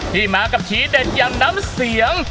ที่มากับทีเด็ดอย่างน้ำเสียง